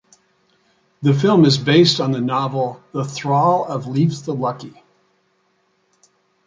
The film is based on the novel "The Thrall of Leif the Lucky".